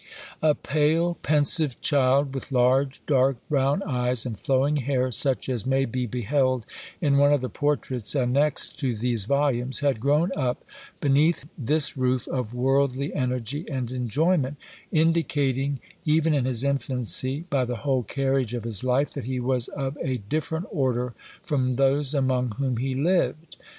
A pale, pensive child, with large dark brown eyes, and flowing hair, such as may be beheld in one of the portraits annexed to these volumes, had grown up beneath this roof of worldly energy and enjoyment, indicating even in his infancy, by the whole carriage of his life, that he was of a different order from those among whom he lived.